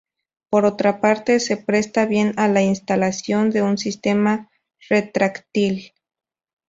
Por otra parte se presta bien a la instalación de un sistema retráctil.